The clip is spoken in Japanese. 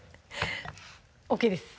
ＯＫです